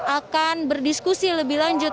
akan berdiskusi lebih lanjut